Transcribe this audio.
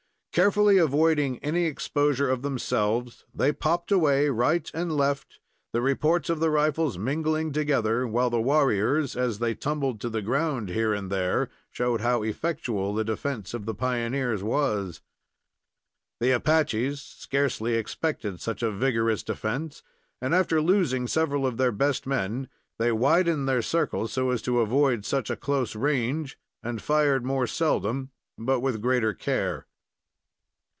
Carefully avoiding any exposure of themselves, they popped away right and left, the reports of the rifles mingling together, while the warriors, as they tumbled to the ground here and there, showed how effectual the defense of the pioneers was. The Apaches scarcely expected such a vigorous defense, and, after losing several of their best men, they widened their circle so as to avoid such a close range, and fired more seldom, but with greater care.